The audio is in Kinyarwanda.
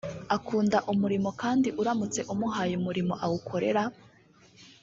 akunda umurimo kandi uramutse umuhaye umurimo agukorera